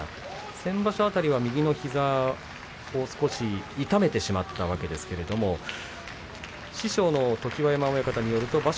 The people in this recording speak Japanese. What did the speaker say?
先場所は左の膝を少し痛めてしまったわけですけれど師匠の常盤山親方によると場所